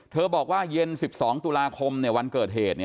บอกว่าเย็น๑๒ตุลาคมวันเกิดเหตุ